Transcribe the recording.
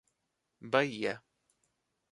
Bahia